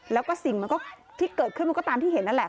แล้วก็สิ่งมันก็ที่เกิดขึ้นมันก็ตามที่เห็นนั่นแหละ